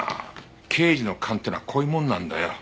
刑事の勘ってのはこういうもんなんだよ。